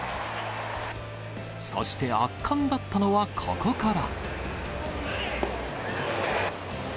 そして圧巻だったのはここから。